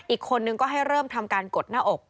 อีกคนก็เริ่มทำการกดหน้าอก